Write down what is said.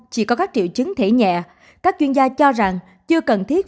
chỉ có các triệu chứng thể nhẹ các chuyên gia cho rằng chưa cần thiết